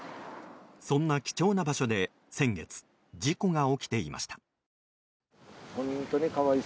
そんな貴重な場所で先月、事故が起きていました。